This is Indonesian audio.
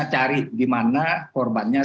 cari di mana korbannya